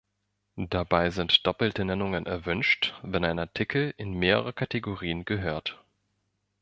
Dabei sind doppelte Nennungen erwünscht, wenn ein Artikel in mehrere Kategorien gehört.